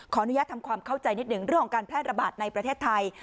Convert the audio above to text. ขออนุญาตทำความเข้าใจนิดหนึ่งเรื่องของการแพร่ระบาดในประเทศไทย